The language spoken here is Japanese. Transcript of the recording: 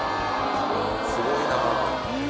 すごいな。